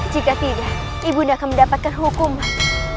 jika tidak ibunda akan mendapatkan hukuman